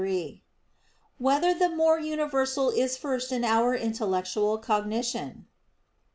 3] Whether the More Universal Is First in Our Intellectual Cognition?